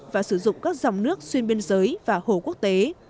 và sử dụng các dòng nước xuyên biên giới và hồ quốc tế